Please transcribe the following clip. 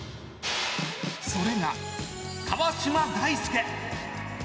それが、川島大輔。